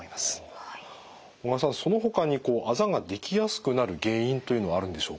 小川さんそのほかにあざができやすくなる原因というのはあるんでしょうか？